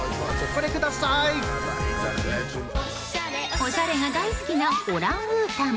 おしゃれが大好きなオランウータン。